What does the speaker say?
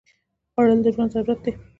خوړل د ژوند ضرورت دی